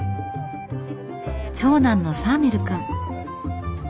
長男のサーメルくん。